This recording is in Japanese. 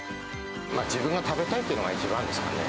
自分が食べたいっていうのが一番ですかね。